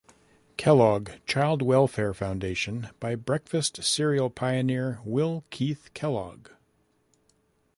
Kellogg Child Welfare Foundation by breakfast cereal pioneer Will Keith Kellogg.